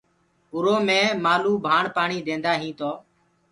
اُرو مين مآلو ڪو ڀآڻ پآڻي ديندآ هين تو